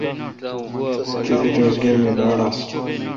تھتی دوس گرمی باڑ آس۔